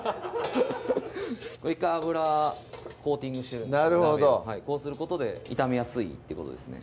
１回油コーティングしてるんです鍋をこうすることで炒めやすいってことですね